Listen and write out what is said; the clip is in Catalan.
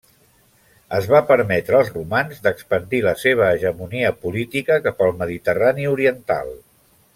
Es va permetre als romans d'expandir la seva hegemonia política cap al Mediterrani oriental.